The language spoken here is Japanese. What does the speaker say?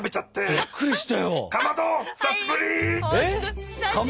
びっくりした。